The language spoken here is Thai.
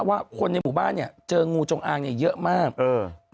ว่าคนในหมู่บ้านเจองูจงอางเยอะมาก